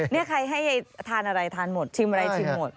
นี่ใครให้ทานอะไรทานหมดชิมอะไรชิมหมด